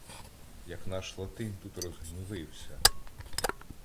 Як наш Латин тут розгнівився